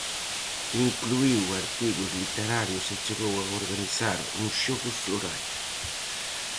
Incluíu artigos literarios e chegou a organizar uns xogos florais.